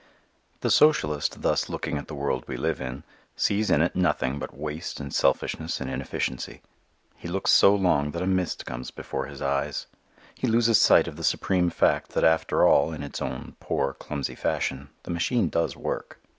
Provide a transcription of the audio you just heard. The socialist looking thus at the world we live in sees in it nothing but waste and selfishness and inefficiency. He looks so long that a mist comes before his eyes. He loses sight of the supreme fact that after all, in its own poor, clumsy fashion, the machine does work.